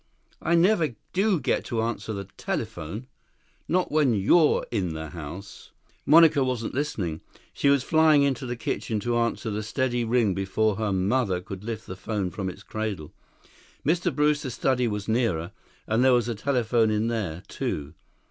"I never do get to answer the telephone. Not when you're in the house." 6 Monica wasn't listening. She was flying into the kitchen to answer the steady ring before her mother could lift the phone from its cradle. Mr. Brewster's study was nearer, and there was a telephone in there, too.